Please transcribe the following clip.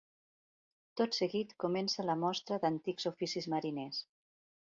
Tot seguit comença la mostra d'antics oficis mariners.